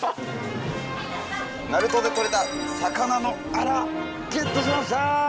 鳴門で取れた魚のアラゲットしました！